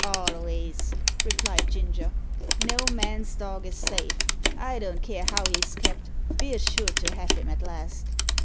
"Alvays," replied Ginger. "No man's dog is safe. I don't care how he's kept, ve're sure to have him at last.